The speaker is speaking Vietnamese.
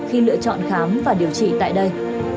khi lựa chọn khám và điều trị tại đây